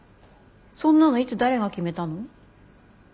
そんなのいつ誰が決めたの？